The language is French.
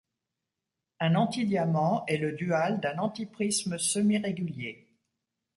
Un antidiamant est le dual d'un antiprisme semi-régulier.